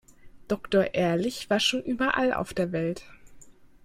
Doktor Ehrlich war schon überall auf der Welt.